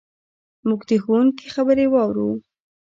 موږ د ښوونکي خبرې واورو.